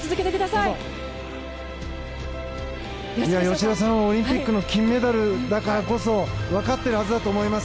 吉田さんはオリンピックの金メダリストだからこそ分かっているはずだと思います。